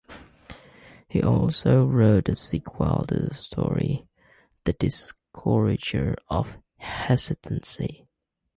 He also wrote a sequel to the story, The Discourager of Hesitancy.